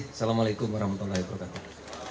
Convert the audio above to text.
assalamualaikum warahmatullahi wabarakatuh